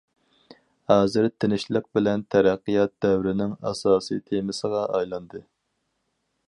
ھازىر تىنچلىق بىلەن تەرەققىيات دەۋرنىڭ ئاساسىي تېمىسىغا ئايلاندى.